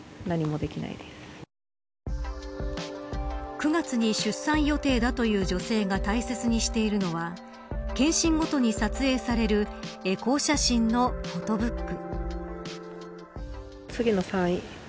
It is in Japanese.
９月に出産予定だという女性が大切にしているのは検診ごとに撮影されるエコー写真のフォトブック。